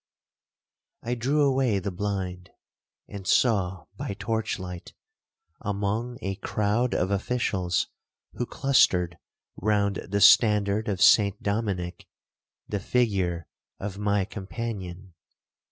'I drew away the blind, and saw, by torch light, among a crowd of officials who clustered round the standard of St Dominick, the figure of my companion.